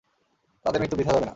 তাদের মৃত্যু বৃথা যাবে না।